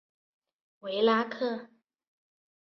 维拉克。